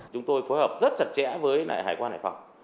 chúng tôi phối hợp rất chặt chẽ với hải quan hải phòng